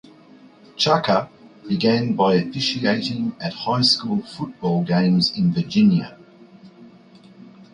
Chaka began by officiating at high school football games in Virginia.